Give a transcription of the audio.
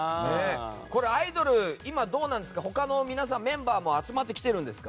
アイドル、今どうなんですか他のメンバーも集まってきているんですか？